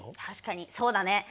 確かにそうだね。